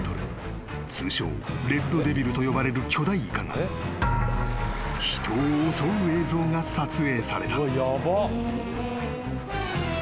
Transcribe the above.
通称レッドデビルと呼ばれる巨大イカが人を襲う映像が撮影された］